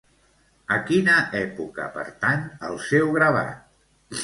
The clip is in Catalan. A quina època pertany el seu gravat?